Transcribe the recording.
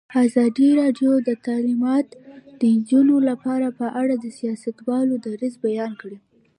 ازادي راډیو د تعلیمات د نجونو لپاره په اړه د سیاستوالو دریځ بیان کړی.